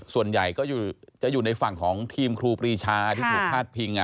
ส่วนใหญ่ก็จะอยู่ในฝั่งของทีมครูปรีชาที่ถูกพาดพิง